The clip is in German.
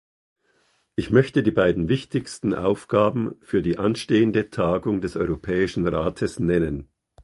Ich möchte die beiden wichtigsten Aufgaben für die anstehende Tagung des Europäischen Rates nennen.